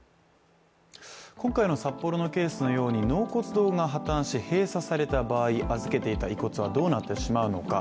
今回の札幌のケースのように納骨堂が破たんして閉鎖された場合、預けていた遺骨はどうなってしまうのか。